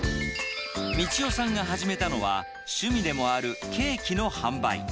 道代さんが始めたのは、趣味でもあるケーキの販売。